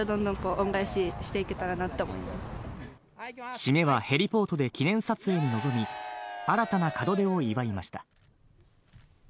締めはヘリポートで記念撮影に臨み、新たな門出を祝いました。